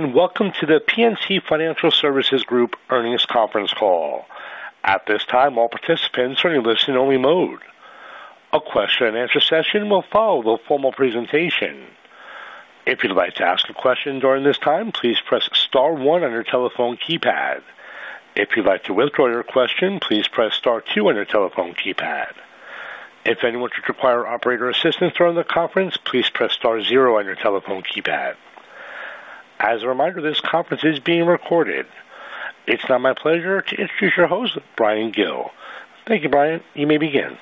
Welcome to the PNC Financial Services Group Earnings Conference Call. At this time, all participants are in listening-only mode. A question-and-answer session will follow the formal presentation. If you'd like to ask a question during this time, please press star one on your telephone keypad. If you'd like to withdraw your question, please press star two on your telephone keypad. If anyone should require operator assistance during the conference, please press star zero on your telephone keypad. As a reminder, this conference is being recorded. It's now my pleasure to introduce your host, Bryan Gill. Thank you, Bryan. You may begin.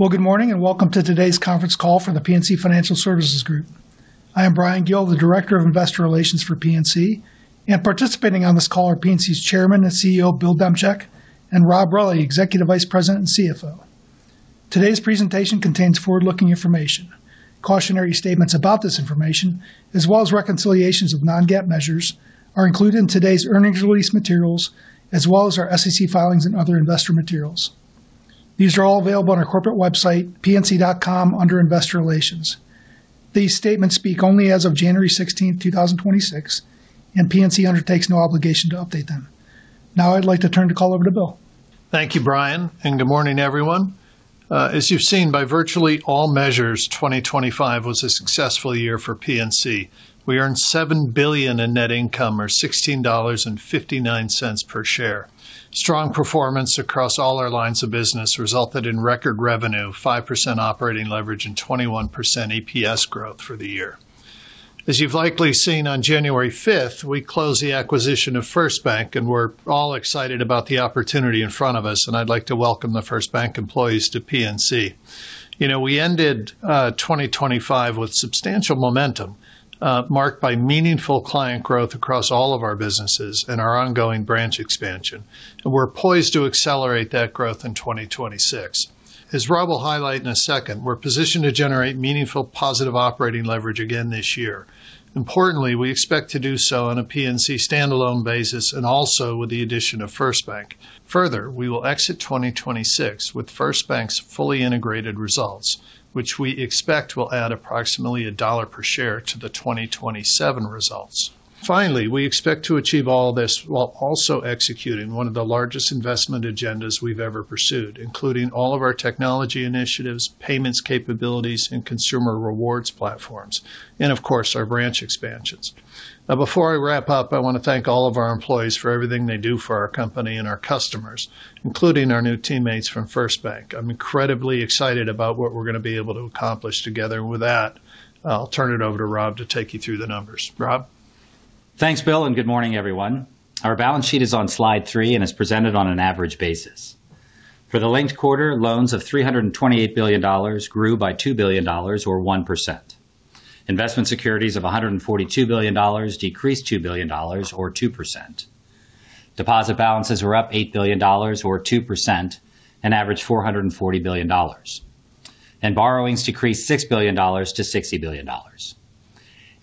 Good morning and welcome to today's conference call for the PNC Financial Services Group. I am Bryan Gill, the Director of Investor Relations for PNC, and participating on this call are PNC's Chairman and CEO, Bill Demchak, and Rob Reilly, Executive Vice President and CFO. Today's presentation contains forward-looking information. Cautionary statements about this information, as well as reconciliations of non-GAAP measures, are included in today's earnings release materials, as well as our SEC filings and other investor materials. These are all available on our corporate website, pnc.com, under Investor Relations. These statements speak only as of January 16, 2026, and PNC undertakes no obligation to update them. Now I'd like to turn the call over to Bill. Thank you, Bryan, and good morning, everyone. As you've seen, by virtually all measures, 2025 was a successful year for PNC. We earned $7 billion in net income, or $16.59 per share. Strong performance across all our lines of business resulted in record revenue, 5% operating leverage, and 21% EPS growth for the year. As you've likely seen, on January 5th, we closed the acquisition of FirstBank, and we're all excited about the opportunity in front of us, and I'd like to welcome the FirstBank employees to PNC. We ended 2025 with substantial momentum marked by meaningful client growth across all of our businesses and our ongoing branch expansion. We're poised to accelerate that growth in 2026. As Rob will highlight in a second, we're positioned to generate meaningful positive operating leverage again this year. Importantly, we expect to do so on a PNC standalone basis and also with the addition of FirstBank. Further, we will exit 2026 with FirstBank's fully integrated results, which we expect will add approximately $1 per share to the 2027 results. Finally, we expect to achieve all this while also executing one of the largest investment agendas we've ever pursued, including all of our technology initiatives, payments capabilities, and consumer rewards platforms, and of course, our branch expansions. Now, before I wrap up, I want to thank all of our employees for everything they do for our company and our customers, including our new teammates from FirstBank. I'm incredibly excited about what we're going to be able to accomplish together, and with that, I'll turn it over to Rob to take you through the numbers. Rob. Thanks, Bill, and good morning, everyone. Our balance sheet is on slide three and is presented on an average basis. For the linked quarter, loans of $328 billion grew by $2 billion, or 1%. Investment securities of $142 billion decreased $2 billion, or 2%. Deposit balances were up $8 billion, or 2%, and averaged $440 billion, and borrowings decreased $6 billion to $60 billion.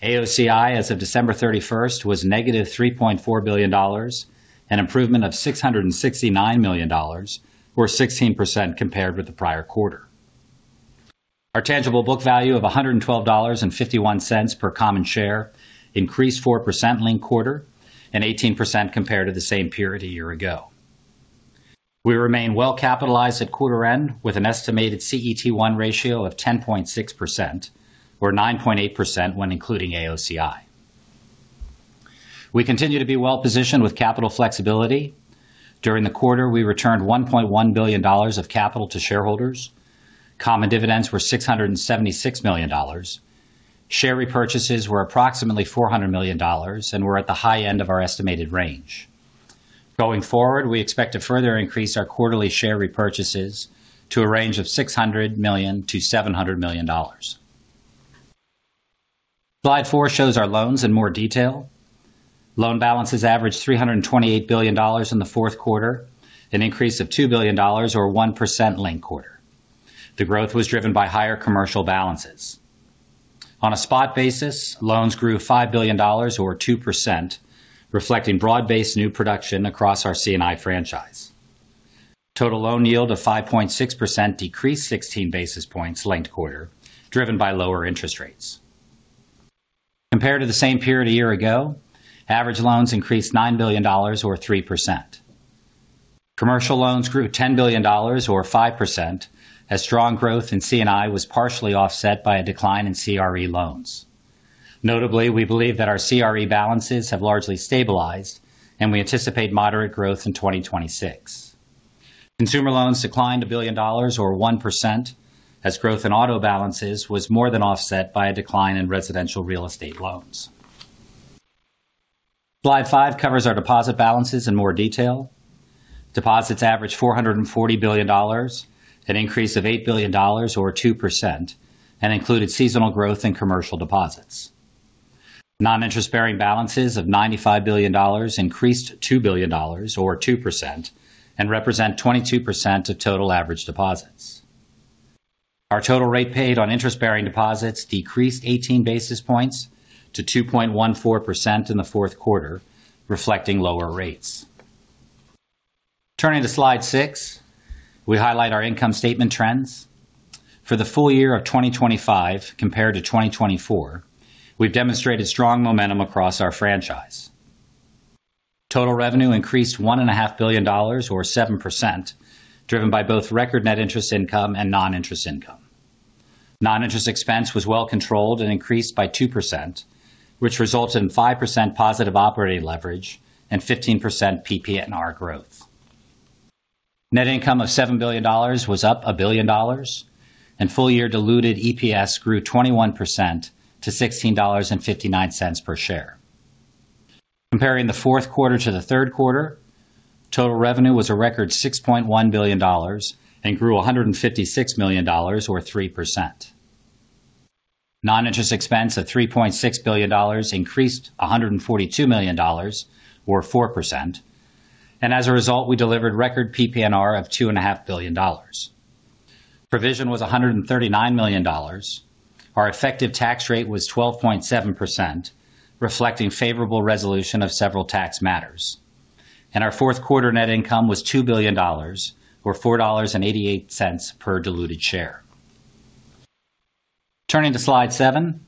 AOCI, as of December 31st, was -$3.4 billion, an improvement of $669 million, or 16% compared with the prior quarter. Our tangible book value of $112.51 per common share increased 4% linked quarter and 18% compared to the same period a year ago. We remain well capitalized at quarter end with an estimated CET1 ratio of 10.6%, or 9.8% when including AOCI. We continue to be well positioned with capital flexibility. During the quarter, we returned $1.1 billion of capital to shareholders. Common dividends were $676 million. Share repurchases were approximately $400 million, and we're at the high end of our estimated range. Going forward, we expect to further increase our quarterly share repurchases to a range of $600 million- $700 million. Slide four shows our loans in more detail. Loan balances averaged $328 billion in the fourth quarter, an increase of $2 billion, or 1% linked quarter. The growth was driven by higher commercial balances. On a spot basis, loans grew $5 billion, or 2%, reflecting broad-based new production across our C&I franchise. Total loan yield of 5.6% decreased 16 basis points linked quarter, driven by lower interest rates. Compared to the same period a year ago, average loans increased $9 billion, or 3%. Commercial loans grew $10 billion, or 5%, as strong growth in C&I was partially offset by a decline in CRE loans. Notably, we believe that our CRE balances have largely stabilized, and we anticipate moderate growth in 2026. Consumer loans declined $1 billion, or 1%, as growth in auto balances was more than offset by a decline in residential real estate loans. Slide five covers our deposit balances in more detail. Deposits averaged $440 billion, an increase of $8 billion, or 2%, and included seasonal growth in commercial deposits. Non-interest-bearing balances of $95 billion increased $2 billion, or 2%, and represent 22% of total average deposits. Our total rate paid on interest-bearing deposits decreased 18 basis points to 2.14% in the fourth quarter, reflecting lower rates. Turning to slide six, we highlight our income statement trends. For the full year of 2025 compared to 2024, we've demonstrated strong momentum across our franchise. Total revenue increased $1.5 billion, or 7%, driven by both record net interest income and non-interest income. Non-interest expense was well controlled and increased by 2%, which resulted in 5% positive operating leverage and 15% PPNR growth. Net income of $7 billion was up $1 billion, and full-year diluted EPS grew 21% to $16.59 per share. Comparing the fourth quarter to the third quarter, total revenue was a record $6.1 billion and grew $156 million, or 3%. Non-interest expense of $3.6 billion increased $142 million, or 4%, and as a result, we delivered record PPNR of $2.5 billion. Provision was $139 million. Our effective tax rate was 12.7%, reflecting favorable resolution of several tax matters, and our fourth quarter net income was $2 billion, or $4.88 per diluted share. Turning to slide seven,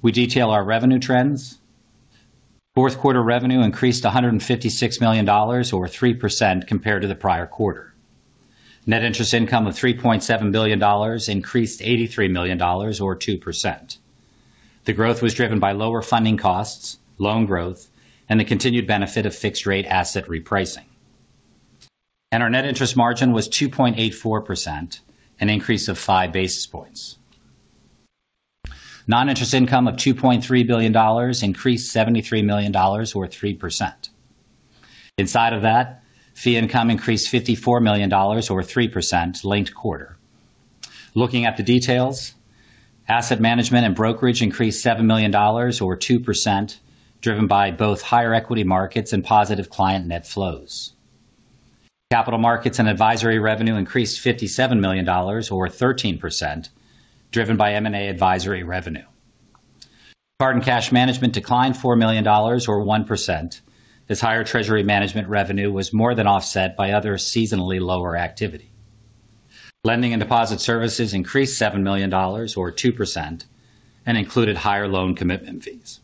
we detail our revenue trends. Fourth quarter revenue increased $156 million, or 3%, compared to the prior quarter. Net interest income of $3.7 billion increased $83 million, or 2%. The growth was driven by lower funding costs, loan growth, and the continued benefit of fixed-rate asset repricing, and our net interest margin was 2.84%, an increase of 5 basis points. Non-interest income of $2.3 billion increased $73 million, or 3%. Inside of that, fee income increased $54 million, or 3%, linked quarter. Looking at the details, asset management and brokerage increased $7 million, or 2%, driven by both higher equity markets and positive client net flows. Capital markets and advisory revenue increased $57 million, or 13%, driven by M&A advisory revenue. Card and cash management declined $4 million, or 1%, as higher treasury management revenue was more than offset by other seasonally lower activity. Lending and deposit services increased $7 million, or 2%, and included higher loan commitment fees.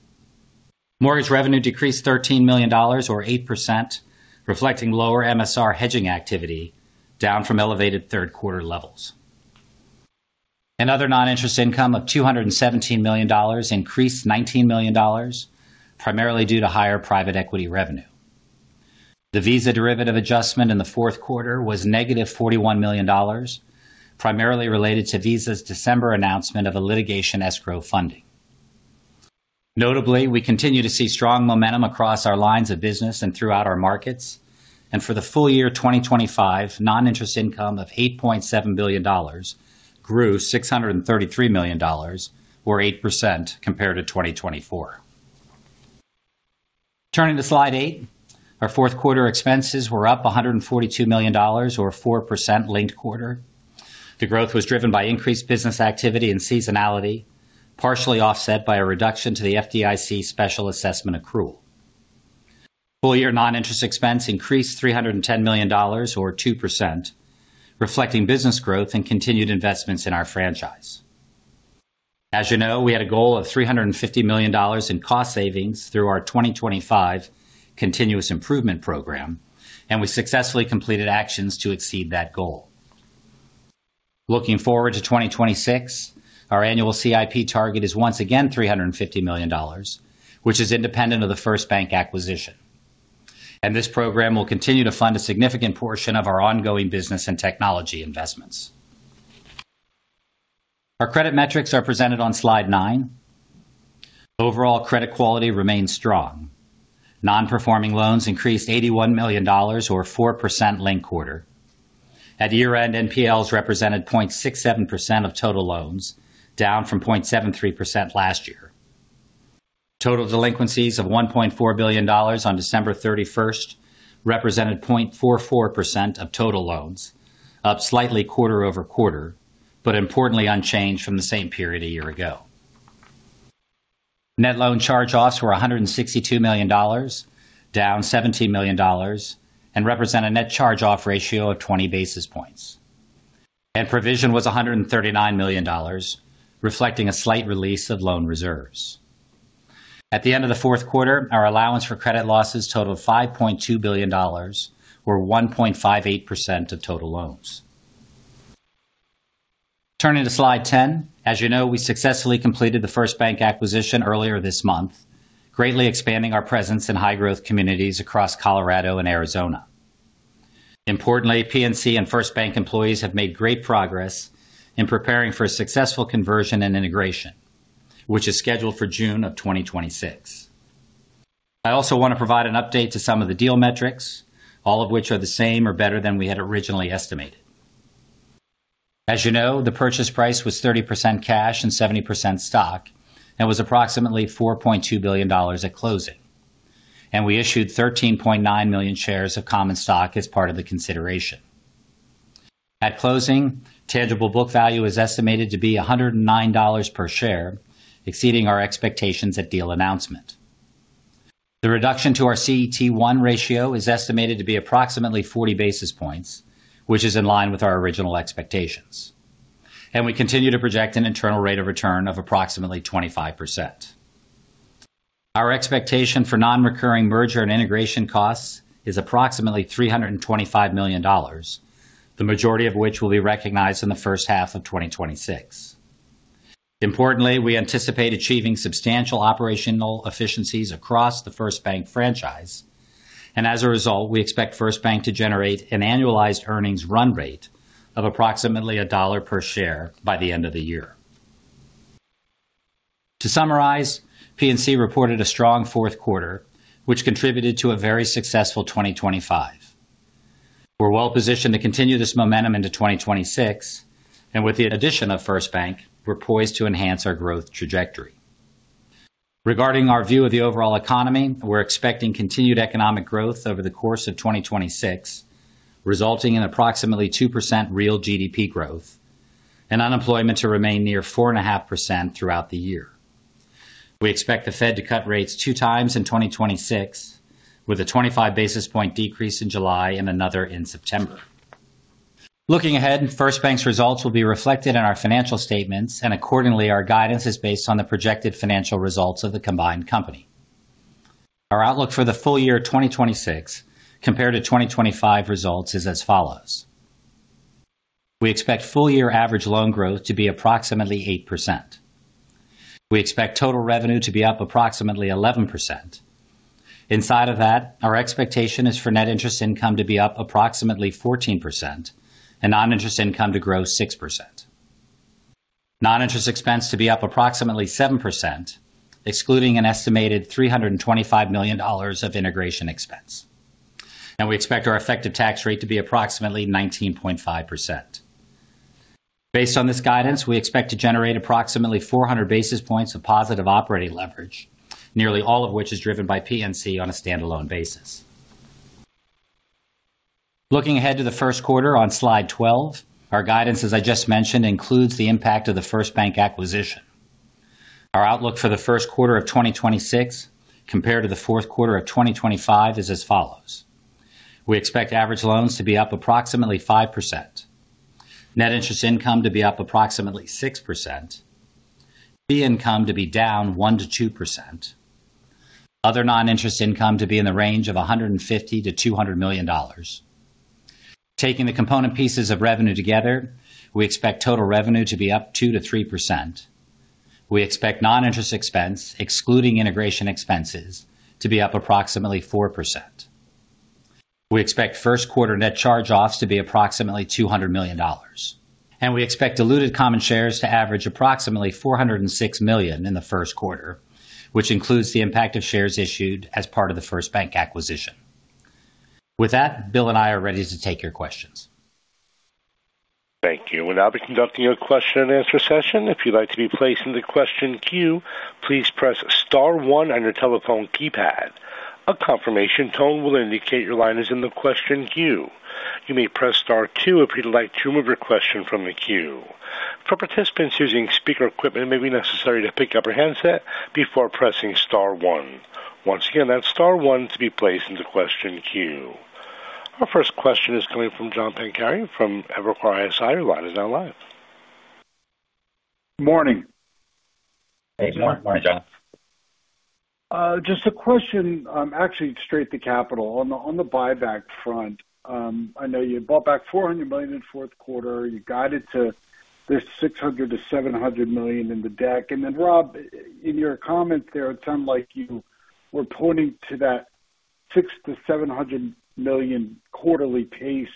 Mortgage revenue decreased $13 million, or 8%, reflecting lower MSR hedging activity, down from elevated third quarter levels. Another non-interest income of $217 million increased $19 million, primarily due to higher private equity revenue. The Visa derivative adjustment in the fourth quarter was -$41 million, primarily related to Visa's December announcement of a litigation escrow funding. Notably, we continue to see strong momentum across our lines of business and throughout our markets, and for the full year 2025, non-interest income of $8.7 billion grew $633 million, or 8%, compared to 2024. Turning to slide eight, our fourth quarter expenses were up $142 million, or 4%, linked quarter. The growth was driven by increased business activity and seasonality, partially offset by a reduction to the FDIC special assessment accrual. Full-year non-interest expense increased $310 million, or 2%, reflecting business growth and continued investments in our franchise. As you know, we had a goal of $350 million in cost savings through our 2025 Continuous Improvement Program, and we successfully completed actions to exceed that goal. Looking forward to 2026, our annual CIP target is once again $350 million, which is independent of the FirstBank acquisition, and this program will continue to fund a significant portion of our ongoing business and technology investments. Our credit metrics are presented on slide nine. Overall credit quality remains strong. Non-performing loans increased $81 million, or 4%, linked quarter. At year-end, NPLs represented 0.67% of total loans, down from 0.73% last year. Total delinquencies of $1.4 billion on December 31st represented 0.44% of total loans, up slightly quarter over quarter, but importantly unchanged from the same period a year ago. Net loan charge-offs were $162 million, down $17 million, and represent a net charge-off ratio of 20 basis points. Provision was $139 million, reflecting a slight release of loan reserves. At the end of the fourth quarter, our allowance for credit losses totaled $5.2 billion, or 1.58% of total loans. Turning to slide 10, as you know, we successfully completed the FirstBank acquisition earlier this month, greatly expanding our presence in high-growth communities across Colorado and Arizona. Importantly, PNC and FirstBank employees have made great progress in preparing for a successful conversion and integration, which is scheduled for June of 2026. I also want to provide an update to some of the deal metrics, all of which are the same or better than we had originally estimated. As you know, the purchase price was 30% cash and 70% stock, and was approximately $4.2 billion at closing. We issued 13.9 million shares of common stock as part of the consideration. At closing, tangible book value is estimated to be $109 per share, exceeding our expectations at deal announcement. The reduction to our CET1 ratio is estimated to be approximately 40 basis points, which is in line with our original expectations. And we continue to project an internal rate of return of approximately 25%. Our expectation for non-recurring merger and integration costs is approximately $325 million, the majority of which will be recognized in the first half of 2026. Importantly, we anticipate achieving substantial operational efficiencies across the FirstBank franchise. And as a result, we expect FirstBank to generate an annualized earnings run rate of approximately $1 per share by the end of the year. To summarize, PNC reported a strong fourth quarter, which contributed to a very successful 2025. We're well positioned to continue this momentum into 2026, and with the addition of FirstBank, we're poised to enhance our growth trajectory. Regarding our view of the overall economy, we're expecting continued economic growth over the course of 2026, resulting in approximately 2% real GDP growth and unemployment to remain near 4.5% throughout the year. We expect the Fed to cut rates two times in 2026, with a 25 basis point decrease in July and another in September. Looking ahead, FirstBank's results will be reflected in our financial statements, and accordingly, our guidance is based on the projected financial results of the combined company. Our outlook for the full year 2026 compared to 2025 results is as follows. We expect full-year average loan growth to be approximately 8%. We expect total revenue to be up approximately 11%. Inside of that, our expectation is for net interest income to be up approximately 14% and non-interest income to grow 6%. Non-interest expense to be up approximately 7%, excluding an estimated $325 million of integration expense, and we expect our effective tax rate to be approximately 19.5%. Based on this guidance, we expect to generate approximately 400 basis points of positive operating leverage, nearly all of which is driven by PNC on a standalone basis. Looking ahead to the first quarter on slide 12, our guidance, as I just mentioned, includes the impact of the FirstBank acquisition. Our outlook for the first quarter of 2026 compared to the fourth quarter of 2025 is as follows. We expect average loans to be up approximately 5%, net interest income to be up approximately 6%, fee income to be down 1%-2%, other non-interest income to be in the range of $150 million-$200 million. Taking the component pieces of revenue together, we expect total revenue to be up 2%-3%. We expect non-interest expense, excluding integration expenses, to be up approximately 4%. We expect first quarter net charge-offs to be approximately $200 million. We expect diluted common shares to average approximately 406 million in the first quarter, which includes the impact of shares issued as part of the FirstBank acquisition. With that, Bill and I are ready to take your questions. Thank you. I'll be conducting a question-and-answer session. If you'd like to be placed in the question queue, please press star one on your telephone keypad. A confirmation tone will indicate your line is in the question queue. You may press star two if you'd like to remove your question from the queue. For participants using speaker equipment, it may be necessary to pick up your handset before pressing star one. Once again, that's star one to be placed in the question queue. Our first question is coming from John Pancari from Evercore ISI. Your line is now live. Morning. Hey, John. Just a question, actually, straight to capital. On the buyback front, I know you bought back $400 million in fourth quarter. You guided to this $600 million-$700 million in the deck. And then, Rob, in your comment there, it sounded like you were pointing to that $600 million-$700 million quarterly pace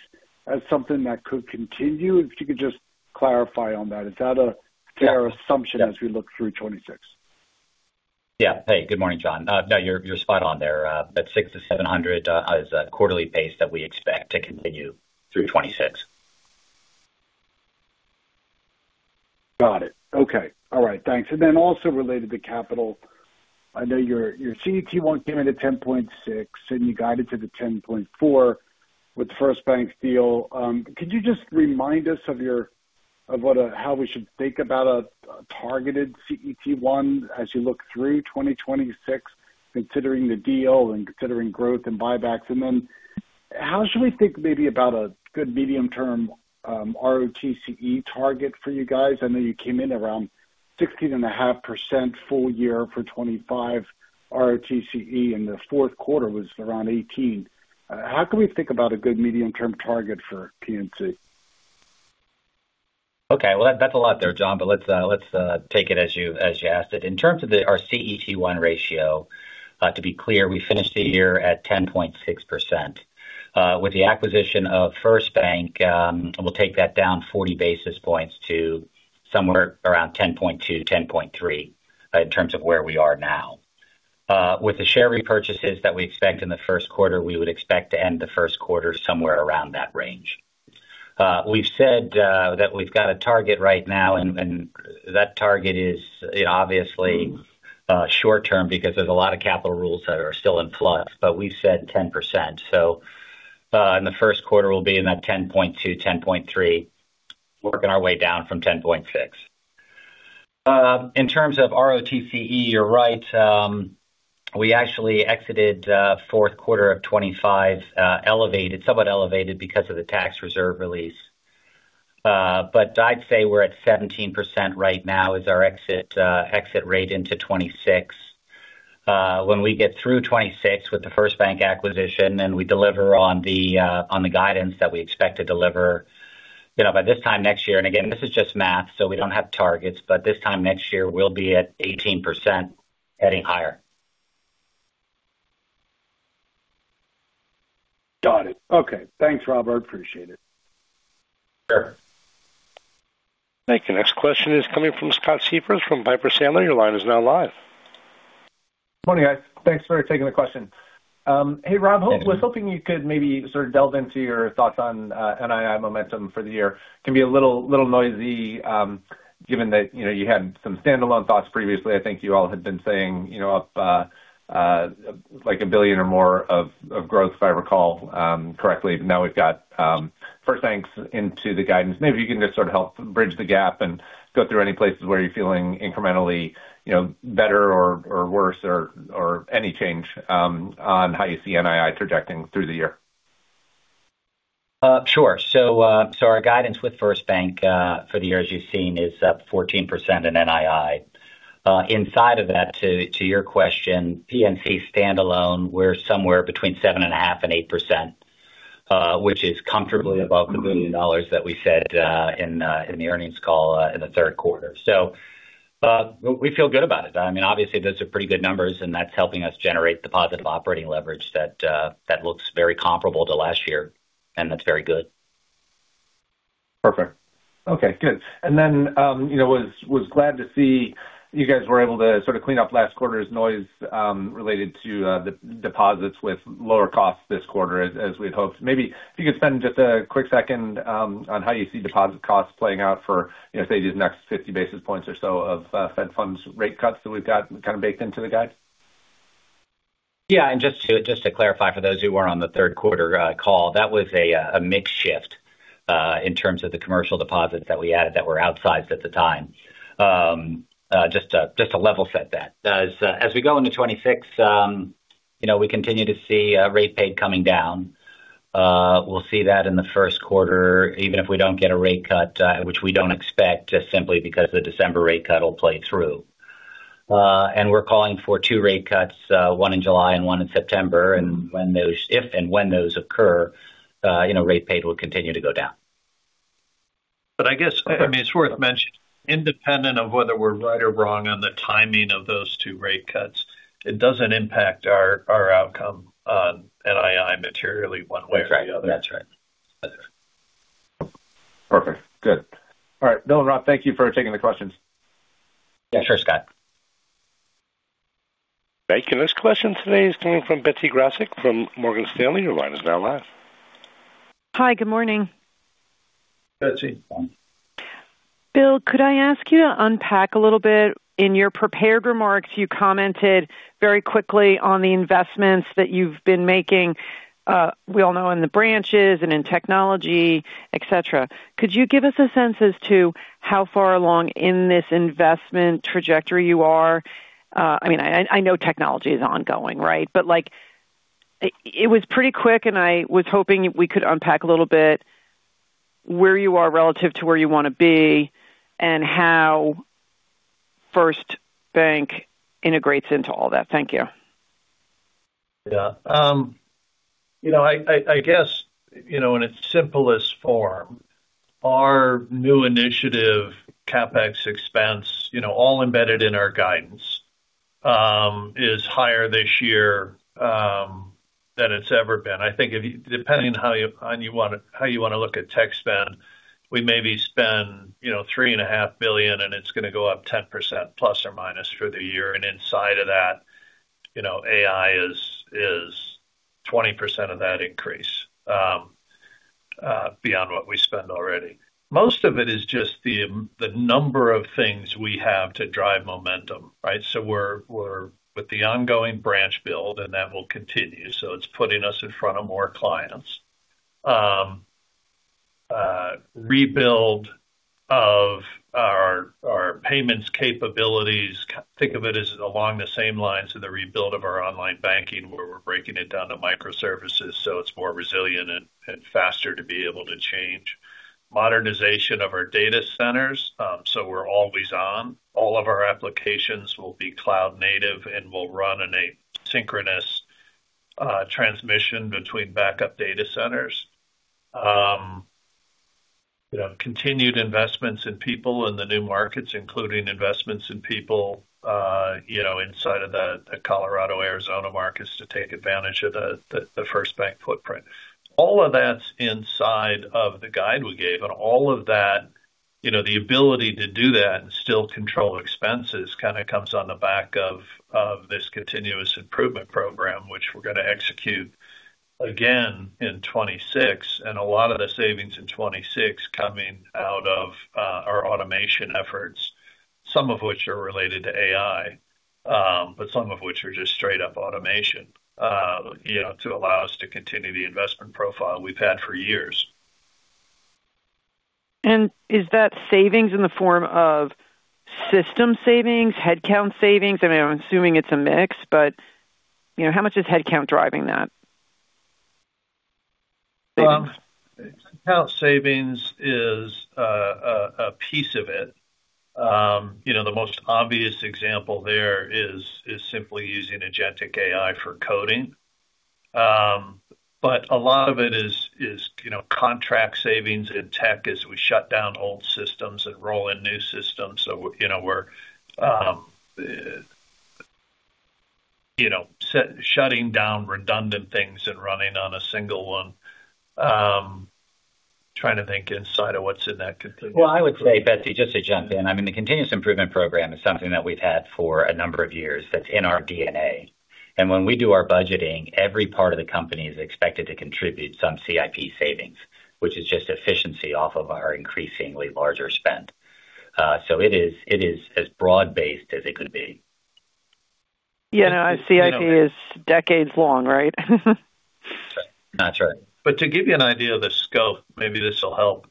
as something that could continue. If you could just clarify on that, is that a fair assumption as we look through 2026? Yeah. Hey, good morning, John. No, you're spot on there. That $600 million-$700 million is a quarterly pace that we expect to continue through 2026. Got it. Okay. All right. Thanks. And then also related to capital, I know your CET1 came in at 10.6%, and you guided to the 10.4% with the FirstBank deal. Could you just remind us of how we should think about a targeted CET1 as you look through 2026, considering the deal and considering growth and buybacks? And then how should we think maybe about a good medium-term ROTCE target for you guys? I know you came in around 16.5% full year for 2025 ROTCE, and the fourth quarter was around 18%. How can we think about a good medium-term target for PNC? Okay. That's a lot there, John, but let's take it as you asked it. In terms of our CET1 ratio, to be clear, we finished the year at 10.6%. With the acquisition of FirstBank, we'll take that down 40 basis points to somewhere around 10.2%-10.3% in terms of where we are now. With the share repurchases that we expect in the first quarter, we would expect to end the first quarter somewhere around that range. We've said that we've got a target right now, and that target is obviously short-term because there's a lot of capital rules that are still in flux, but we've said 10%. In the first quarter, we'll be in that 10.2%-10.3%, working our way down from 10.6%. In terms of ROTCE, you're right. We actually exited fourth quarter of 2025 elevated, somewhat elevated because of the tax reserve release. But I'd say we're at 17% right now as our exit rate into 2026. When we get through 2026 with the FirstBank acquisition and we deliver on the guidance that we expect to deliver by this time next year, and again, this is just math, so we don't have targets, but this time next year, we'll be at 18% heading higher. Got it. Okay. Thanks, Robert. Appreciate it. Sure. Thank you. Next question is coming from Scott Siefers from Piper Sandler. Your line is now live. Morning, guys. Thanks for taking the question. Hey, Rob, was hoping you could maybe sort of delve into your thoughts on NII momentum for the year. It can be a little noisy given that you had some standalone thoughts previously. I think you all had been saying up like $1 billion or more of growth, if I recall correctly. But now we've got FirstBank's into the guidance. Maybe you can just sort of help bridge the gap and go through any places where you're feeling incrementally better or worse or any change on how you see NII projecting through the year. Sure. So our guidance with FirstBank for the year, as you've seen, is up 14% in NII. Inside of that, to your question, PNC standalone, we're somewhere between 7.5%-8%, which is comfortably above the $1 billion that we said in the earnings call in the third quarter. So we feel good about it. I mean, obviously, those are pretty good numbers, and that's helping us generate the positive operating leverage that looks very comparable to last year, and that's very good. Perfect. Okay. Good. Then was glad to see you guys were able to sort of clean up last quarter's noise related to the deposits with lower costs this quarter as we'd hoped. Maybe if you could spend just a quick second on how you see deposit costs playing out for, say, these next 50 basis points or so of Fed funds rate cuts that we've got kind of baked into the guide. Yeah. Just to clarify for those who weren't on the third quarter call, that was a mixed shift in terms of the commercial deposits that we added that were outsized at the time. Just to level set that. As we go into 2026, we continue to see rate paid coming down. We'll see that in the first quarter, even if we don't get a rate cut, which we don't expect just simply because the December rate cut will play through. And we're calling for two rate cuts, one in July and one in September. And if and when those occur, rate paid will continue to go down. But I guess, I mean, it's worth mentioning, independent of whether we're right or wrong on the timing of those two rate cuts, it doesn't impact our outcome on NII materially one way or the other. That's right. That's right. Perfect. Good. All right. Bill and Rob, thank you for taking the questions. Yeah. Sure, Scott. Thank you. Next question today is coming from Betsy Graseck from Morgan Stanley. Your line is now live. Hi. Good morning. Betsy. Bill, could I ask you to unpack a little bit? In your prepared remarks, you commented very quickly on the investments that you've been making. We all know in the branches and in technology, etc. Could you give us a sense as to how far along in this investment trajectory you are? I mean, I know technology is ongoing, right? But it was pretty quick, and I was hoping we could unpack a little bit where you are relative to where you want to be and how FirstBank integrates into all that. Thank you. Yeah. I guess in its simplest form, our new initiative, CapEx expense, all embedded in our guidance, is higher this year than it's ever been. I think depending on how you want to look at tech spend, we maybe spend $3.5 billion, and it's going to go up 10%± for the year. Inside of that, AI is 20% of that increase beyond what we spend already. Most of it is just the number of things we have to drive momentum, right? So we're with the ongoing branch build, and that will continue. So it's putting us in front of more clients. Rebuild of our payments capabilities, think of it as along the same lines of the rebuild of our online banking where we're breaking it down to microservices so it's more resilient and faster to be able to change. Modernization of our data centers so we're always on. All of our applications will be cloud-native and will run in a synchronous transmission between backup data centers. Continued investments in people in the new markets, including investments in people inside of the Colorado, Arizona markets to take advantage of the FirstBank footprint. All of that's inside of the guide we gave. All of that, the ability to do that and still control expenses kind of comes on the back of this continuous improvement program, which we're going to execute again in 2026. A lot of the savings in 2026 coming out of our automation efforts, some of which are related to AI, but some of which are just straight-up automation to allow us to continue the investment profile we've had for years. Is that savings in the form of system savings, headcount savings? I mean, I'm assuming it's a mix, but how much is headcount driving that? Headcount savings is a piece of it. The most obvious example there is simply using Agentic AI for coding. But a lot of it is contract savings in tech as we shut down old systems and roll in new systems. We're shutting down redundant things and running on a single one. Trying to think inside of what's in that continuous improvement. I would say, Betsy, just to jump in, I mean, the continuous improvement program is something that we've had for a number of years that's in our DNA. And when we do our budgeting, every part of the company is expected to contribute some CIP savings, which is just efficiency off of our increasingly larger spend. It is as broad-based as it could be. Yeah. No, CIP is decades long, right? That's right. That's right. But to give you an idea of the scope, maybe this will help.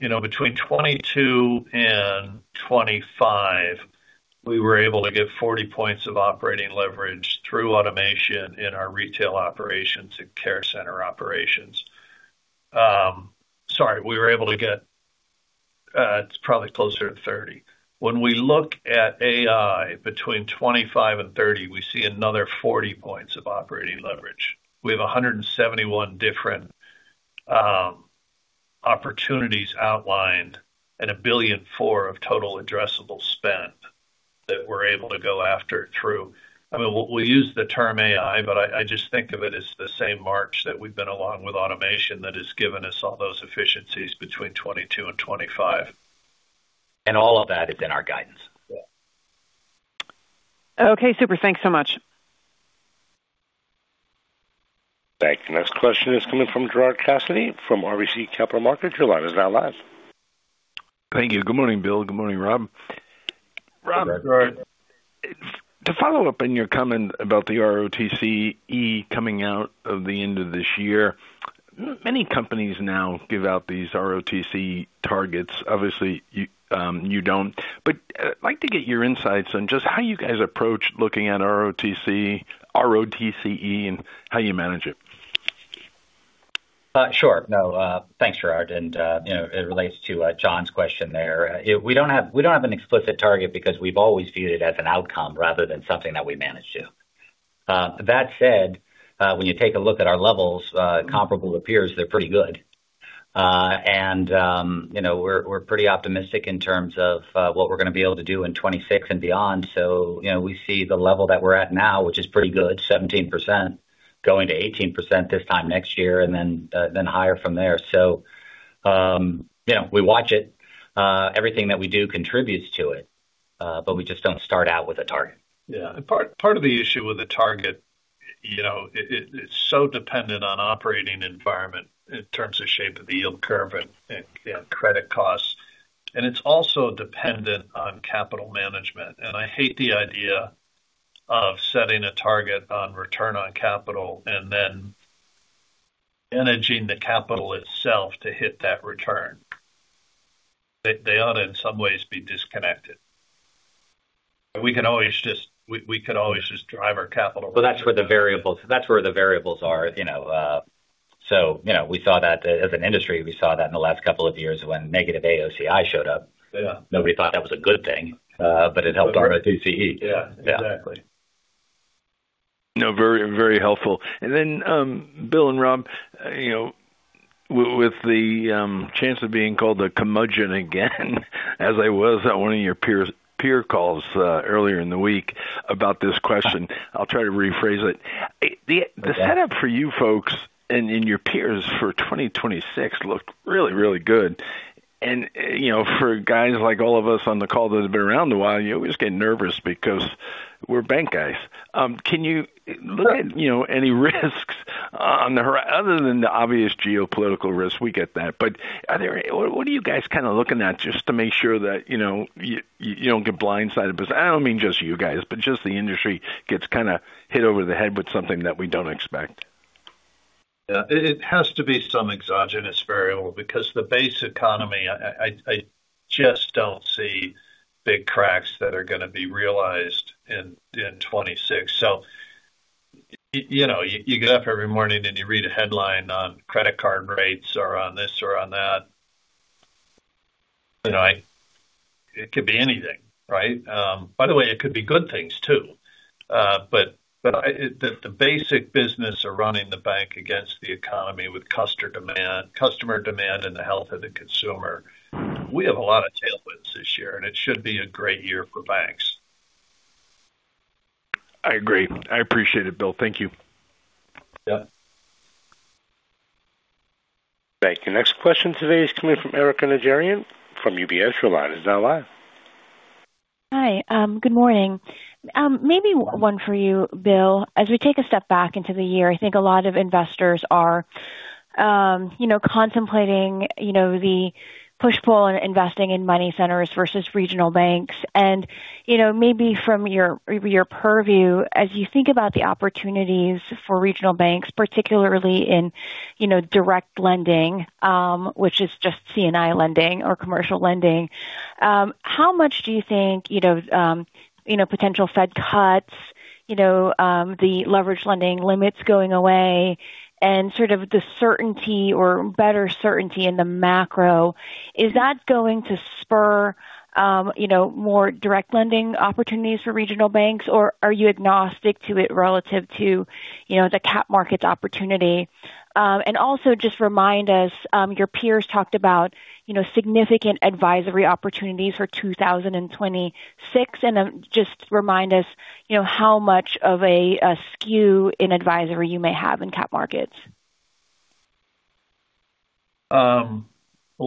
Between 2022 and 2025, we were able to get 40 points of operating leverage through automation in our retail operations and care center operations. Sorry, we were able to get probably closer to 30. When we look at AI, between 2025 and 2030, we see another 40 points of operating leverage. We have 171 different opportunities outlined and $1.4 billion of total addressable spend that we're able to go after through. I mean, we'll use the term AI, but I just think of it as the same march that we've been along with automation that has given us all those efficiencies between 2022 and 2025. And all of that is in our guidance. Okay. Super. Thanks so much. Thank you. Next question is coming from Gerard Cassidy from RBC Capital Markets. Your line is now live. Thank you. Good morning, Bill. Good morning, Rob. Rob, to follow up on your comment about the ROTCE coming out of the end of this year, many companies now give out these ROTCE targets. Obviously, you don't. But I'd like to get your insights on just how you guys approach looking at ROTCE and how you manage it. Sure. No. Thanks, Gerard. And it relates to John's question there. We don't have an explicit target because we've always viewed it as an outcome rather than something that we manage to. That said, when you take a look at our levels, comparable peers, they're pretty good. And we're pretty optimistic in terms of what we're going to be able to do in 2026 and beyond. So we see the level that we're at now, which is pretty good, 17%, going to 18% this time next year and then higher from there. So we watch it. Everything that we do contributes to it, but we just don't start out with a target. Yeah. Part of the issue with the target, it's so dependent on operating environment in terms of shape of the yield curve and credit costs. And it's also dependent on capital management. And I hate the idea of setting a target on return on capital and then managing the capital itself to hit that return. They ought to, in some ways, be disconnected. We can always just drive our capital. Well, that's where the variables are. So we saw that as an industry. We saw that in the last couple of years when negative AOCI showed up. Nobody thought that was a good thing, but it helped ROTCE. Yeah. Exactly. Very helpful. And then, Bill and Rob, with the chance of being called a curmudgeon again, as I was at one of your peer calls earlier in the week about this question, I'll try to rephrase it. The setup for you folks and your peers for 2026 looked really, really good, and for guys like all of us on the call that have been around a while, we just get nervous because we're bank guys. Can you look at any risks on the horizon other than the obvious geopolitical risk? We get that, but what are you guys kind of looking at just to make sure that you don't get blindsided? I don't mean just you guys, but just the industry gets kind of hit over the head with something that we don't expect. Yeah. It has to be some exogenous variable because the base economy, I just don't see big cracks that are going to be realized in 2026, so you get up every morning and you read a headline on credit card rates or on this or on that. It could be anything, right? By the way, it could be good things too, but the basic business of running the bank against the economy with customer demand and the health of the consumer, we have a lot of tailwinds this year, and it should be a great year for banks. I agree. I appreciate it, Bill. Thank you. Yep. Thank you. Next question today is coming from Erika Najarian from UBS. Now live. Hi. Good morning. Maybe one for you, Bill. As we take a step back into the year, I think a lot of investors are contemplating the push-pull and investing in money centers versus regional banks. Maybe from your purview, as you think about the opportunities for regional banks, particularly in direct lending, which is just C&I lending or commercial lending, how much do you think potential Fed cuts, the leveraged lending limits going away, and sort of the certainty or better certainty in the macro, is that going to spur more direct lending opportunities for regional banks? Or are you agnostic to it relative to the cap markets opportunity? Also just remind us, your peers talked about significant advisory opportunities for 2026. Just remind us how much of a skew in advisory you may have in cap markets. Let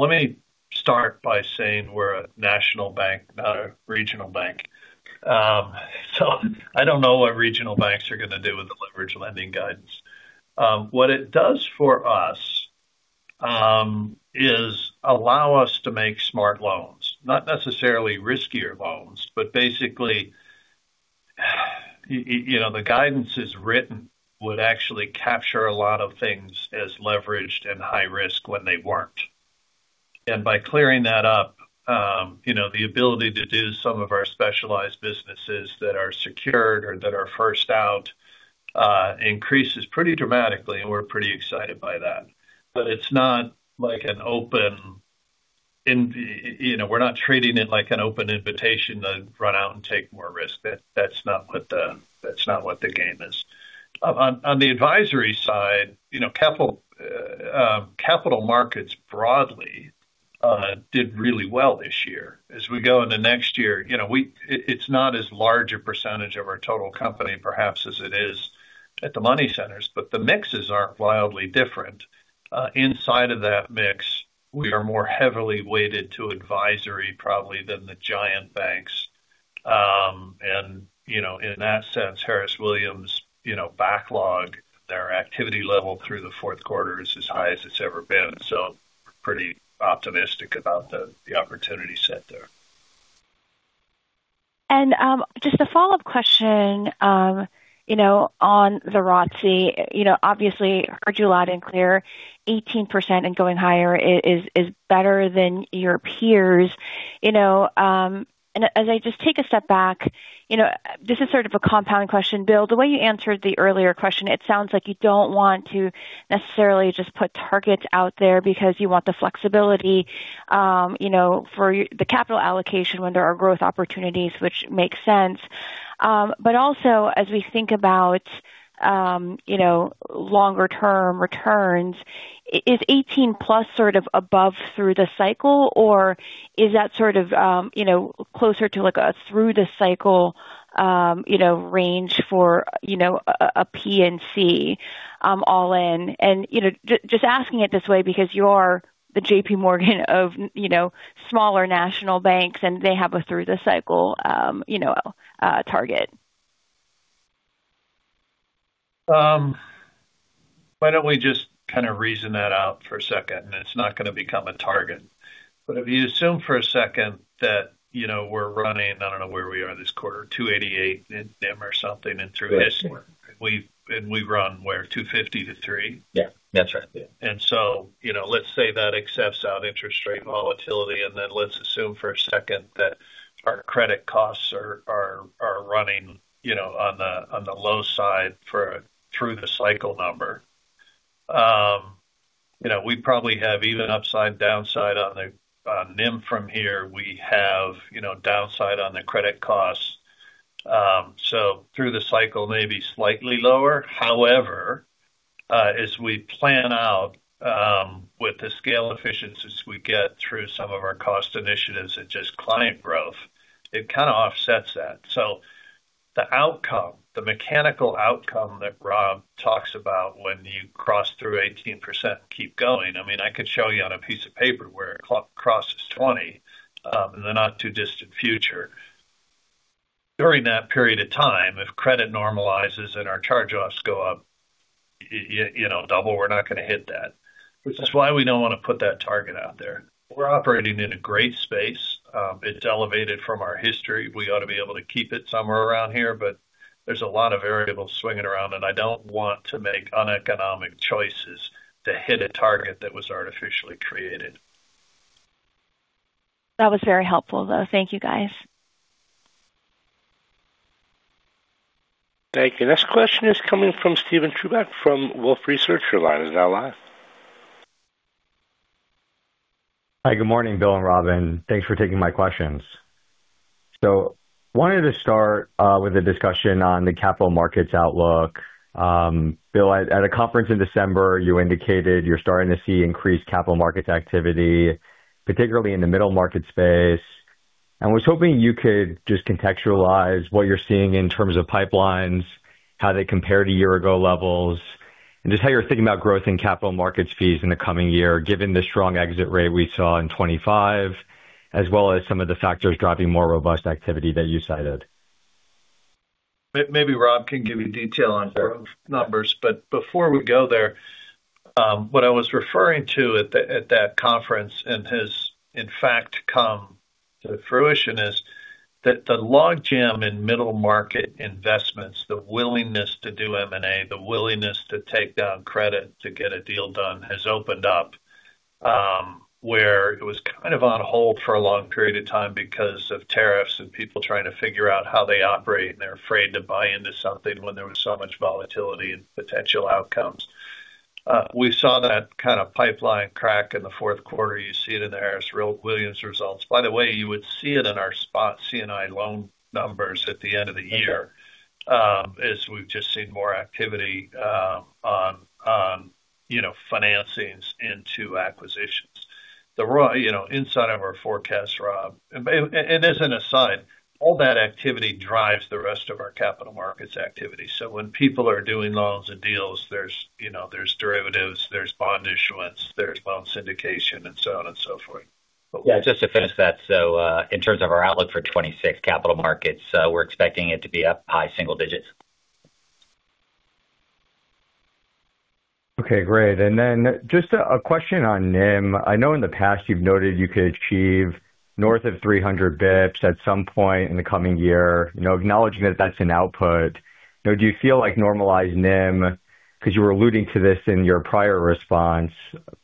me start by saying we're a national bank, not a regional bank. So I don't know what regional banks are going to do with the leveraged lending guidance. What it does for us is allow us to make smart loans. Not necessarily riskier loans, but basically, the guidance is written, would actually capture a lot of things as leveraged and high-risk when they weren't, and by clearing that up, the ability to do some of our specialized businesses that are secured or that are first out increases pretty dramatically, and we're pretty excited by that, but it's not like we're not treating it like an open invitation to run out and take more risk. That's not what the game is. On the advisory side, capital markets broadly did really well this year. As we go into next year, it's not as large a percentage of our total company, perhaps, as it is at the money centers, but the mixes aren't wildly different. Inside of that mix, we are more heavily weighted to advisory probably than the giant banks. And in that sense, Harris Williams' backlog, their activity level through the fourth quarter is as high as it's ever been. So we're pretty optimistic about the opportunity set there. And just a follow-up question on the ROTCE. Obviously, heard you loud and clear. 18% and going higher is better than your peers. And as I just take a step back, this is sort of a compound question, Bill. The way you answered the earlier question, it sounds like you don't want to necessarily just put targets out there because you want the flexibility for the capital allocation when there are growth opportunities, which makes sense. But also, as we think about longer-term returns, is 18+ sort of above through the cycle, or is that sort of closer to a through-the-cycle range for a PNC all-in? I'm just asking it this way because you are the JPMorgan of smaller national banks, and they have a through-the-cycle target. Why don't we just kind of reason that out for a second? It's not going to become a target. But if you assume for a second that we're running, I don't know where we are this quarter, 288 or something and through this, and we run where 250 to 3. Yeah. That's right. So let's say that abstracts out interest rate volatility. Then let's assume for a second that our credit costs are running on the low side for a through-the-cycle number. We probably have even upside, downside on the NIM from here. We have downside on the credit costs. So through the cycle, maybe slightly lower. However, as we plan out with the scale efficiencies we get through some of our cost initiatives and just client growth, it kind of offsets that. So the outcome, the mechanical outcome that Rob talks about when you cross through 18% and keep going, I mean, I could show you on a piece of paper where it crosses 20% in the not-too-distant future. During that period of time, if credit normalizes and our charge-offs go up double, we're not going to hit that, which is why we don't want to put that target out there. We're operating in a great space. It's elevated from our history. We ought to be able to keep it somewhere around here, but there's a lot of variables swinging around, and I don't want to make uneconomic choices to hit a target that was artificially created. That was very helpful, though. Thank you, guys. Thank you. Next question is coming from Steven Chubak from Wolfe Research. Now live. Hi. Good morning, Bill and Rob. Thanks for taking my questions. So wanted to start with a discussion on the capital markets outlook. Bill, at a conference in December, you indicated you're starting to see increased capital markets activity, particularly in the middle market space. And I was hoping you could just contextualize what you're seeing in terms of pipelines, how they compare to year-ago levels, and just how you're thinking about growth in capital markets fees in the coming year, given the strong exit rate we saw in 2025, as well as some of the factors driving more robust activity that you cited. Maybe Rob can give us detail on growth numbers. But before we go there, what I was referring to at that conference and has, in fact, come to fruition is that the logjam in middle market investments, the willingness to do M&A, the willingness to take down credit to get a deal done has opened up where it was kind of on hold for a long period of time because of tariffs and people trying to figure out how they operate, and they're afraid to buy into something when there was so much volatility and potential outcomes. We saw that kind of pipeline crack in the fourth quarter. You see it in the Harris Williams results. By the way, you would see it in our spot C&I loan numbers at the end of the year as we've just seen more activity on financings into acquisitions. Inside of our forecast, Rob, and as an aside, all that activity drives the rest of our capital markets activity. So when people are doing loans and deals, there's derivatives, there's bond issuance, there's bond syndication, and so on and so forth. Yeah. Just to finish that, so in terms of our outlook for 2026, capital markets, we're expecting it to be up high single digits. Okay. Great. And then just a question on NIM. I know in the past you've noted you could achieve north of 300 basis points at some point in the coming year, acknowledging that that's an output. Do you feel like normalized NIM, because you were alluding to this in your prior response,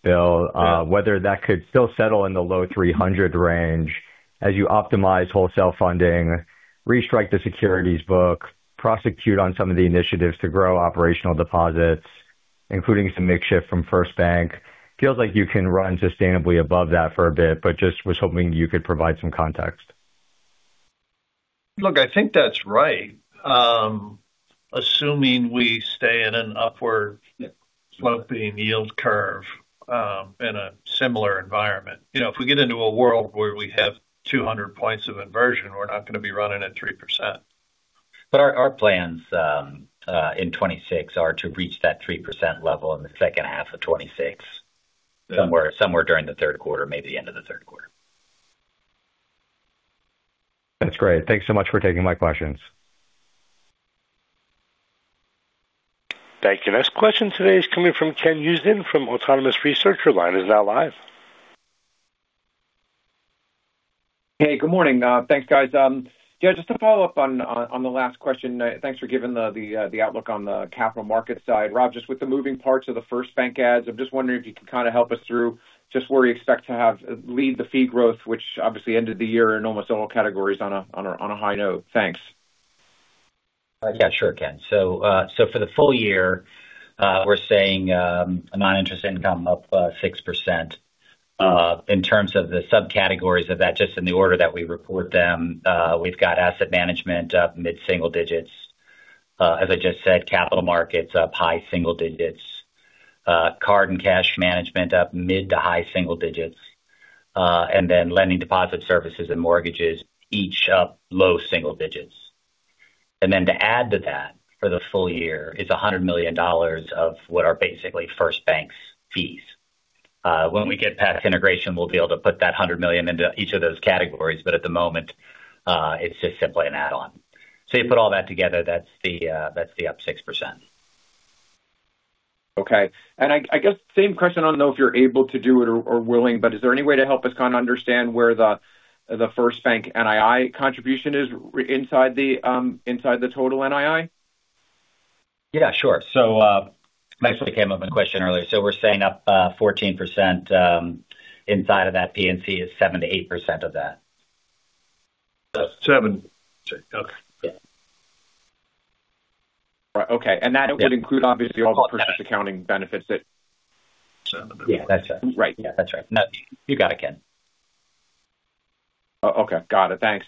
Bill, whether that could still settle in the low 300 range as you optimize wholesale funding, restrike the securities book, prosecute on some of the initiatives to grow operational deposits, including some makeshift from FirstBank? Feels like you can run sustainably above that for a bit, but just was hoping you could provide some context. Look, I think that's right, assuming we stay in an upward sloping yield curve in a similar environment. If we get into a world where we have 200 points of inversion, we're not going to be running at 3%. Our plans in 2026 are to reach that 3% level in the second half of 2026, somewhere during the third quarter, maybe the end of the third quarter. That's great. Thanks so much for taking my questions. Thank you. Next question today is coming from Ken Usdin from Autonomous Research. Now live. Hey. Good morning. Thanks, guys. Yeah. Just to follow up on the last question, thanks for giving the outlook on the capital markets side. Rob, just with the moving parts of the FirstBank ads, I'm just wondering if you could kind of help us through just where you expect to see the fee growth, which obviously ended the year in almost all categories on a high note. Thanks. Yeah. Sure, Ken. So for the full year, we're seeing non-interest income up 6%. In terms of the subcategories of that, just in the order that we report them, we've got asset management up mid-single digits. As I just said, capital markets up high single digits. Card and cash management up mid to high single digits. And then lending, deposit services, and mortgages each up low single digits. And then, to add to that, for the full year is $100 million of what are basically FirstBank's fees. When we get past integration, we'll be able to put that $100 million into each of those categories, but at the moment, it's just simply an add-on. So you put all that together, that's the up 6%. Okay. And I guess same question. I don't know if you're able to do it or willing, but is there any way to help us kind of understand where the FirstBank NII contribution is inside the total NII? Yeah. Sure. So it actually came up in question earlier. So we're saying up 14%. Inside of that, PNC is 7%-8% of that. Seven. Okay. Yeah. Okay. And that would include, obviously, all the purchase accounting benefits that. Seven. Yeah. That's right. You got it, Ken. Okay. Got it. Thanks.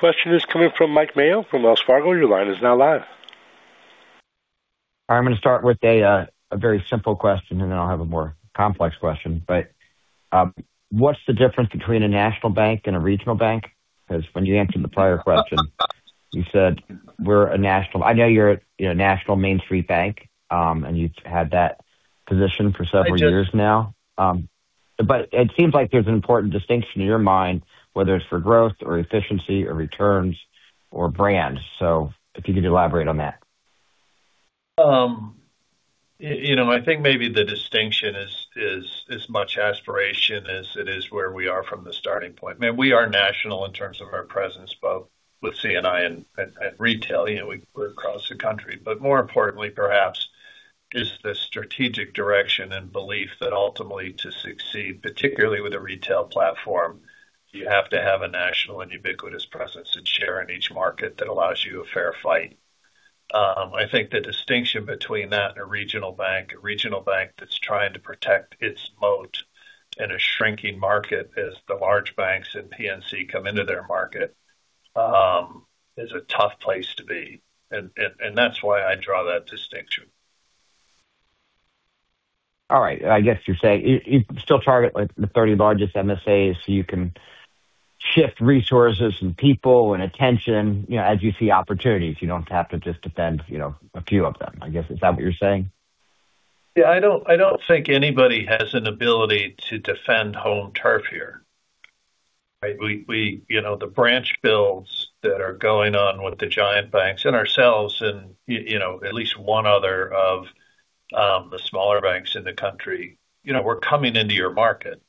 Thank you. Next question is coming from Mike Mayo from Wells Fargo. Your line is now live. I'm going to start with a very simple question, and then I'll have a more complex question. But what's the difference between a national bank and a regional bank? Because when you answered the prior question, you said, "We're a national." I know you're a national Main Street bank, and you've had that position for several years now. But it seems like there's an important distinction in your mind, whether it's for growth or efficiency or returns or brand. So if you could elaborate on that. I think maybe the distinction is as much aspiration as it is where we are from the starting point. I mean, we are national in terms of our presence with C&I and retail. We're across the country. But more importantly, perhaps, is the strategic direction and belief that ultimately, to succeed, particularly with a retail platform, you have to have a national and ubiquitous presence and share in each market that allows you a fair fight. I think the distinction between that and a regional bank, a regional bank that's trying to protect its moat in a shrinking market as the large banks and PNC come into their market, is a tough place to be. And that's why I draw that distinction. All right. And I guess you're saying you still target the 30 largest MSAs so you can shift resources and people and attention as you see opportunities. You don't have to just defend a few of them. I guess is that what you're saying? Yeah. I don't think anybody has an ability to defend home turf here. The branch builds that are going on with the giant banks and ourselves and at least one other of the smaller banks in the country, we're coming into your market.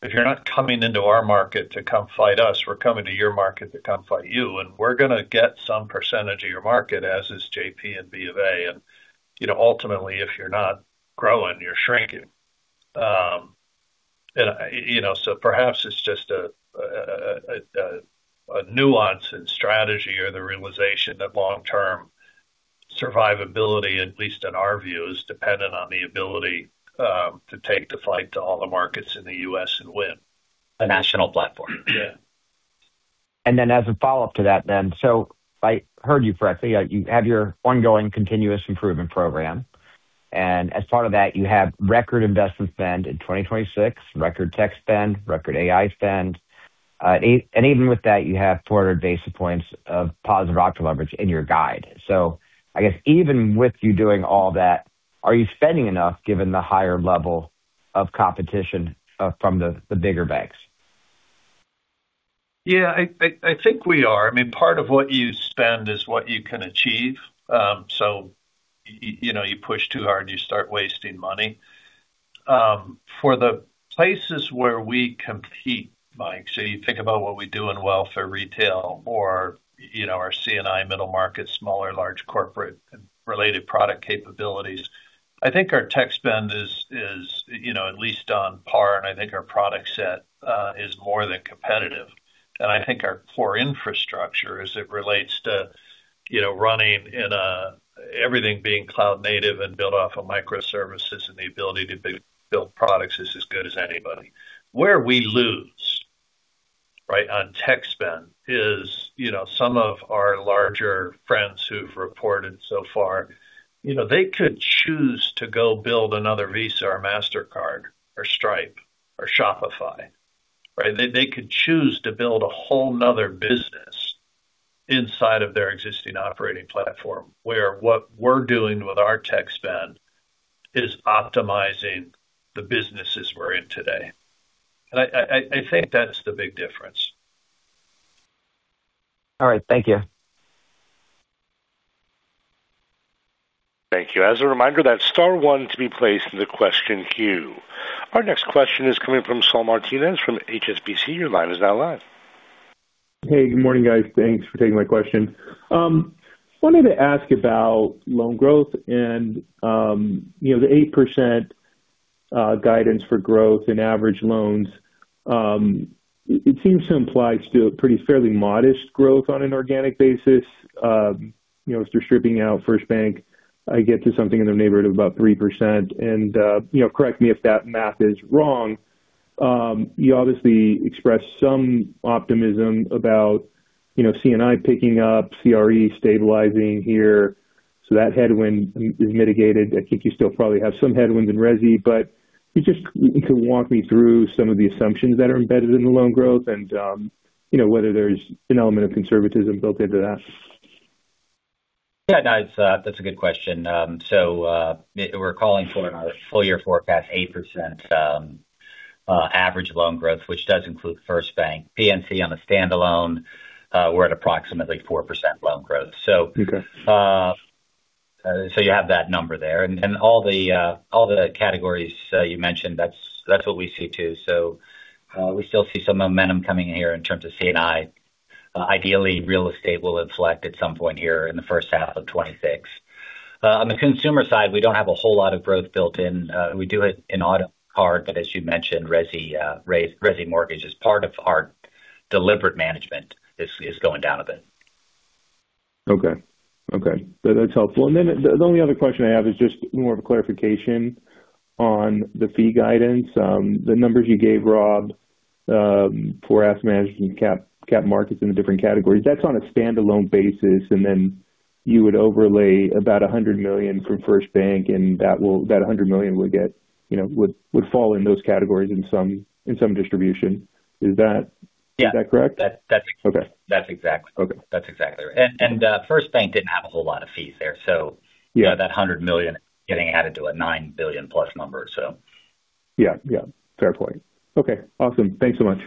If you're not coming into our market to come fight us, we're coming to your market to come fight you. And we're going to get some percentage of your market, as is JP and B of A. And ultimately, if you're not growing, you're shrinking. So perhaps it's just a nuance in strategy or the realization that long-term survivability, at least in our view, is dependent on the ability to take the fight to all the markets in the U.S. and win. A national platform. Yeah. And then as a follow-up to that, then, so I heard you correctly. You have your ongoing Continuous Improvement Program. As part of that, you have record investment spend in 2026, record tech spend, record AI spend. Even with that, you have 400 basis points of positive operating leverage in your guide. I guess even with you doing all that, are you spending enough given the higher level of competition from the bigger banks? Yeah. I think we are. I mean, part of what you spend is what you can achieve. You push too hard, you start wasting money. For the places where we compete, Mike, so you think about what we do in wealth and retail or our C&I middle market, small, large corporate-related product capabilities, I think our tech spend is at least on par, and I think our product set is more than competitive. I think our core infrastructure, as it relates to running with everything being cloud-native and built off of microservices and the ability to build products, is as good as anybody. Where we lose on tech spend is some of our larger friends who've reported so far. They could choose to go build another Visa, or Mastercard, or Stripe, or Shopify. They could choose to build a whole nother business inside of their existing operating platform, where what we're doing with our tech spend is optimizing the businesses we're in today. I think that's the big difference. All right. Thank you. Thank you. As a reminder, that star one to be placed in the question queue. Our next question is coming from Saul Martinez from HSBC. Your line is now live. Hey. Good morning, guys. Thanks for taking my question. I wanted to ask about loan growth and the 8% guidance for growth in average loans. It seems to imply still pretty fairly modest growth on an organic basis. If you're stripping out FirstBank, I get to something in the neighborhood of about 3%, and correct me if that math is wrong. You obviously expressed some optimism about C&I picking up, CRE stabilizing here, so that headwind is mitigated. I think you still probably have some headwinds in Resi, but you just need to walk me through some of the assumptions that are embedded in the loan growth and whether there's an element of conservatism built into that. Yeah. That's a good question, so we're calling for in our full-year forecast, 8% average loan growth, which does include FirstBank. PNC on a standalone, we're at approximately 4% loan growth, so you have that number there. And all the categories you mentioned, that's what we see too. So we still see some momentum coming in here in terms of C&I. Ideally, real estate will inflect at some point here in the first half of 2026. On the consumer side, we don't have a whole lot of growth built in. We do it in auto card, but as you mentioned, residential mortgage is part of our deliberate management. It's going down a bit. Okay. Okay. That's helpful. And then the only other question I have is just more of a clarification on the fee guidance. The numbers you gave, Rob, for asset management, cap markets in the different categories, that's on a standalone basis. And then you would overlay about $100 million from FirstBank, and that $100 million would fall in those categories in some distribution. Is that correct? Yeah. That's exactly right. That's exactly right. And FirstBank didn't have a whole lot of fees there. So that $100 million is getting added to a $9+ billion number, so. Yeah. Yeah. Fair point. Okay. Awesome. Thanks so much.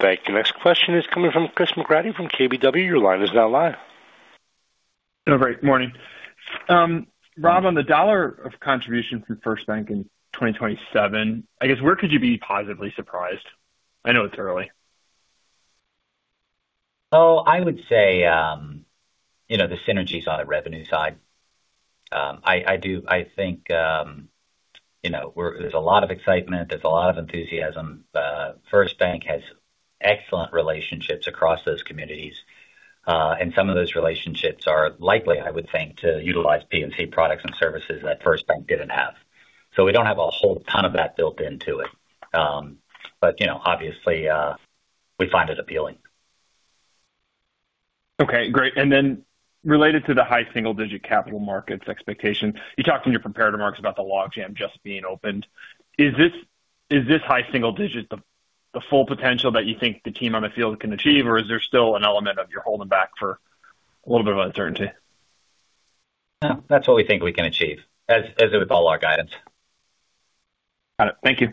Thank you. Next question is coming from Chris McGratty from KBW. Your line is now live. All right. Good morning. Rob, on the dollar of contribution from FirstBank in 2027, I guess where could you be positively surprised? I know it's early. Oh, I would say the synergies on the revenue side. I do. I think there's a lot of excitement. There's a lot of enthusiasm. FirstBank has excellent relationships across those communities. And some of those relationships are likely, I would think, to utilize PNC products and services that FirstBank didn't have. So we don't have a whole ton of that built into it. But obviously, we find it appealing. Okay. Great. And then related to the high single-digit capital markets expectation, you talked in your prepared remarks about the log jam just being opened. Is this high single-digit the full potential that you think the team on the field can achieve, or is there still an element of you're holding back for a little bit of uncertainty? That's what we think we can achieve, as with all our guidance. Got it. Thank you.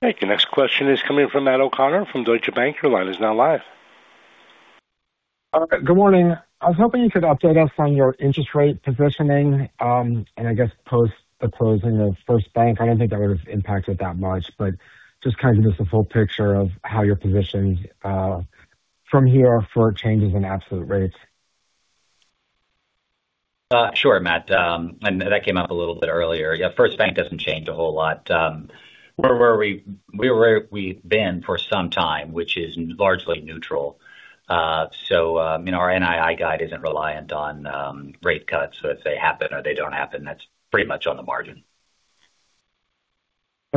Thank you. Next question is coming from Matt O'Connor from Deutsche Bank. Your line is now live. All right. Good morning. I was hoping you could update us on your interest rate positioning. And I guess post the closing of FirstBank, I don't think that would have impacted that much, but just kind of give us a full picture of how you're positioned from here for changes in absolute rates. Sure, Matt. That came up a little bit earlier. Yeah. FirstBank doesn't change a whole lot. We're where we've been for some time, which is largely neutral. Our NII guide isn't reliant on rate cuts. If they happen or they don't happen, that's pretty much on the margin.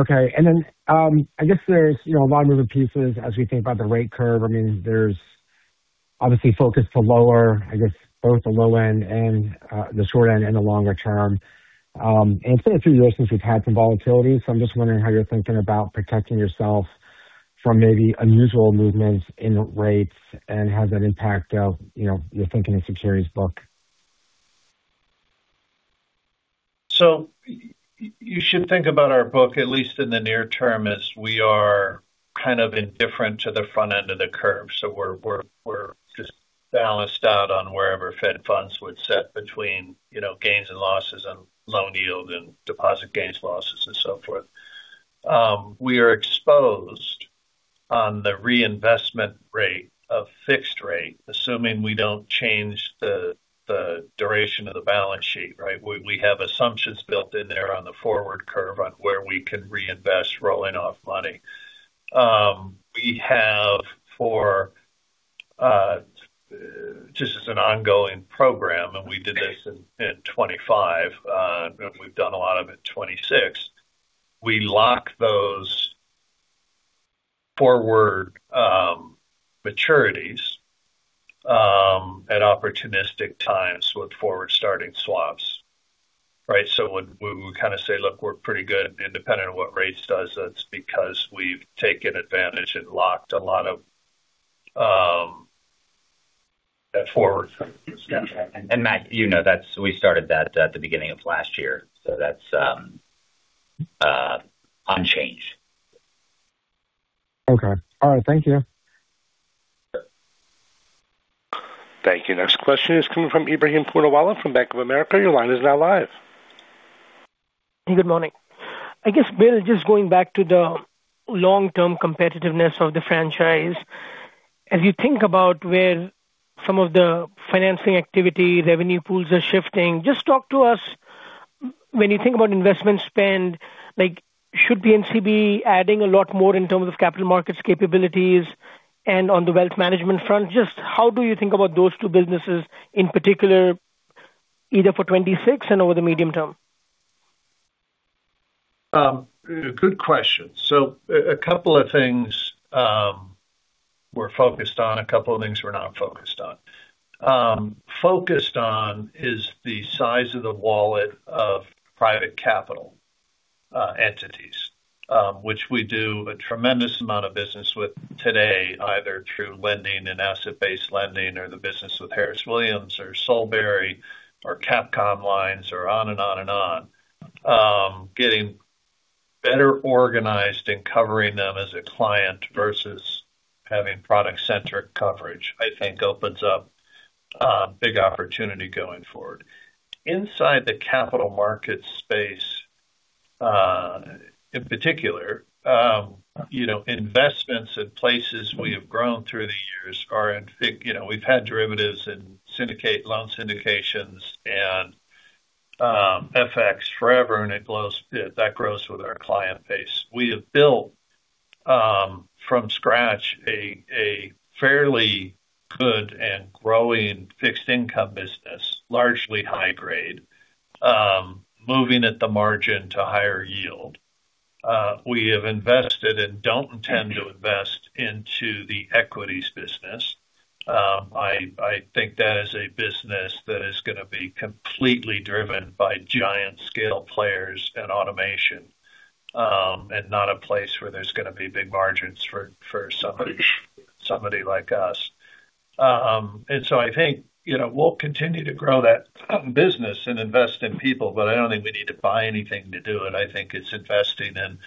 Okay. Then I guess there's a lot of moving pieces as we think about the rate curve. I mean, there's obviously focus to lower, I guess, both the low end and the short end and the longer term. It's been a few years since we've had some volatility. I'm just wondering how you're thinking about protecting yourself from maybe unusual movements in rates and how that impacts your thinking in securities book. So you should think about our book, at least in the near term, as we are kind of indifferent to the front end of the curve. So we're just balanced out on wherever Fed funds would set between gains and losses and loan yield and deposit gains, losses and so forth. We are exposed on the reinvestment rate of fixed rate, assuming we don't change the duration of the balance sheet, right? We have assumptions built in there on the forward curve on where we can reinvest rolling off money. We have, just as an ongoing program, and we did this in 2025, and we've done a lot of it 2026, we lock those forward maturities at opportunistic times with forward-starting swaps, right? So when we kind of say, "Look, we're pretty good," independent of what the Fed does, that's because we've taken advantage and locked a lot of that forward. And Matt, we started that at the beginning of last year. So that's unchanged. Okay. All right. Thank you. Thank you. Next question is coming from Ebrahim Poonawala from Bank of America. Your line is now live. Good morning. I guess, Bill, just going back to the long-term competitiveness of the franchise, as you think about where some of the financing activity, revenue pools are shifting, just talk to us. When you think about investment spend, should PNC be adding a lot more in terms of capital markets capabilities and on the wealth management front? Just how do you think about those two businesses in particular, either for 2026 and over the medium term? Good question. So a couple of things we're focused on, a couple of things we're not focused on. Focused on is the size of the wallet of private capital entities, which we do a tremendous amount of business with today, either through lending and asset-based lending or the business with Harris Williams or Solebury or Capcom Lines or on and on and on. Getting better organized and covering them as a client versus having product-centric coverage, I think, opens up big opportunity going forward. Inside the capital market space, in particular, investments in places we have grown through the years are in, we've had derivatives and loan syndications and FX forever, and that grows with our client base. We have built from scratch a fairly good and growing fixed-income business, largely high-grade, moving at the margin to higher yield. We have invested and don't intend to invest into the equities business. I think that is a business that is going to be completely driven by giant-scale players and automation and not a place where there's going to be big margins for somebody like us, and so I think we'll continue to grow that business and invest in people, but I don't think we need to buy anything to do it. I think it's investing in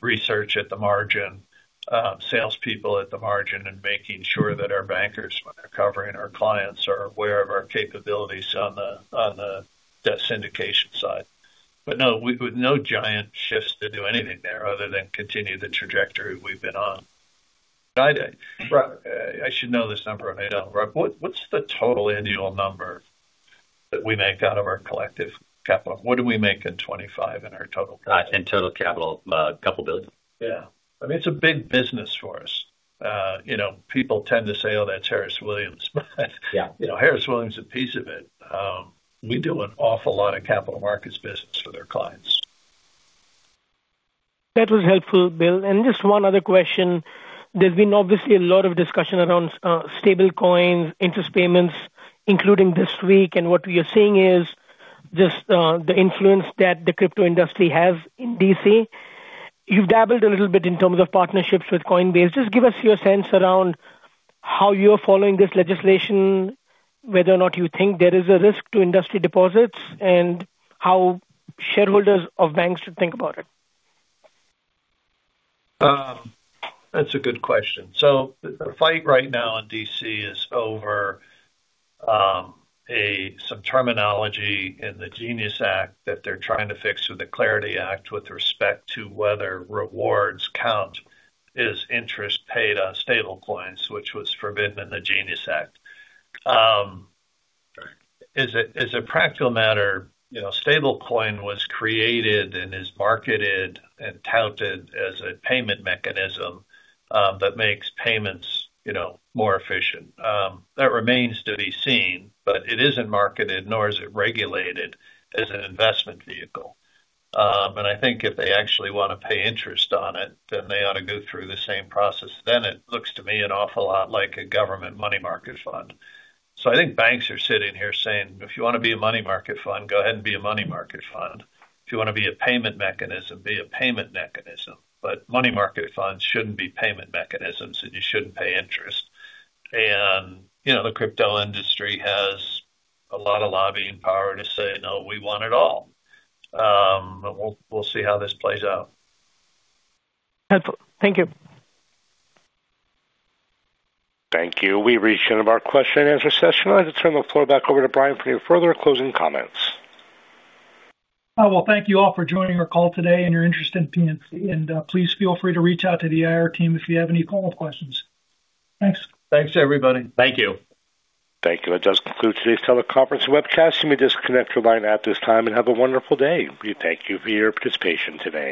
research at the margin, salespeople at the margin, and making sure that our bankers, when they're covering our clients, are aware of our capabilities on the syndication side, but no, with no giant shifts to do anything there other than continue the trajectory we've been on. I should know this number, and I don't. What's the total annual number that we make out of our collective capital? What do we make in 2025 in our total capital? In total capital, a couple billion. Yeah. I mean, it's a big business for us. People tend to say, "Oh, that's Harris Williams." But Harris Williams is a piece of it. We do an awful lot of capital markets business for their clients. That was helpful, Bill. And just one other question. There's been obviously a lot of discussion around stablecoins, interest payments, including this week. And what we are seeing is just the influence that the crypto industry has in D.C. You've dabbled a little bit in terms of partnerships with Coinbase. Just give us your sense around how you're following this legislation, whether or not you think there is a risk to industry deposits, and how shareholders of banks should think about it. That's a good question. The fight right now in D.C. is over some terminology in the GENIUS Act that they're trying to fix with the CLARITY Act with respect to whether rewards count as interest paid on stablecoins, which was forbidden in the GENIUS Act. As a practical matter, stablecoin was created and is marketed and touted as a payment mechanism that makes payments more efficient. That remains to be seen, but it isn't marketed, nor is it regulated as an investment vehicle. I think if they actually want to pay interest on it, then they ought to go through the same process. It looks to me an awful lot like a government money market fund. I think banks are sitting here saying, "If you want to be a money market fund, go ahead and be a money market fund. If you want to be a payment mechanism, be a payment mechanism," but money market funds shouldn't be payment mechanisms, and you shouldn't pay interest, and the crypto industry has a lot of lobbying power to say, "No, we want it all." We'll see how this plays out. Helpful. Thank you. Thank you. We reached the end of our question-and-answer session. I'll turn the floor back over to Bryan for any further closing comments. Well, thank you all for joining our call today and your interest in PNC. And please feel free to reach out to the IR team if you have any follow-up questions. Thanks. Thanks, everybody. Thank you. Thank you. That does conclude today's teleconference webcast. You may disconnect your line at this time and have a wonderful day. We thank you for your participation today.